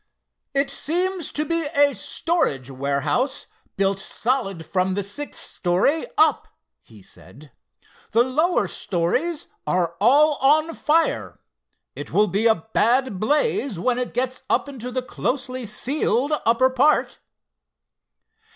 "It seems to be a storage warehouse, built solid from the sixth story up," he said. "The lower stories are all on fire. It will be a bad blaze when it gets up into the closely sealed upper part."